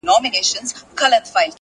• چي به پورته سوې څپې او لوی موجونه -